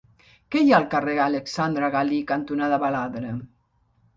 Què hi ha al carrer Alexandre Galí cantonada Baladre?